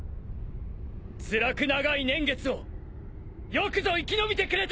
つらく長い年月をよくぞ生き延びてくれた！